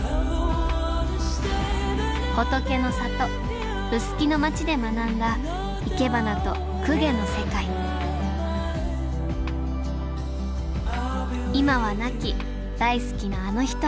仏の里臼杵の町で学んだいけばなと供華の世界今は亡き大好きなあの人へ。